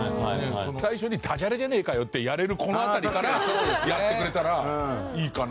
最初に「ダジャレじゃねえかよ！」ってやれるこの辺りからやってくれたらいいかな。